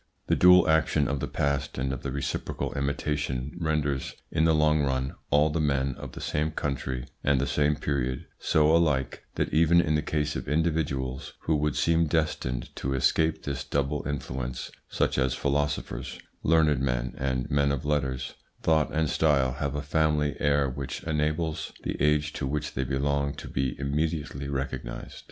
"The dual action of the past and of reciprocal imitation renders, in the long run, all the men of the same country and the same period so alike that even in the case of individuals who would seem destined to escape this double influence, such as philosophers, learned men, and men of letters, thought and style have a family air which enables the age to which they belong to be immediately recognised.